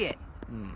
うん。